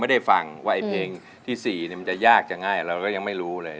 ได้ฟังว่าไอ้เพลงที่๔มันจะยากจะง่ายเราก็ยังไม่รู้เลย